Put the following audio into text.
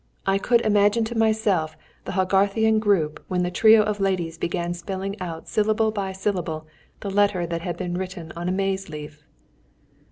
I could imagine to myself the Hogarthian group when the trio of ladies began spelling out syllable by syllable the letter that had been written on a maize leaf.